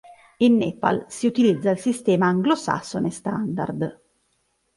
In Nepal si utilizza il sistema anglosassone standard.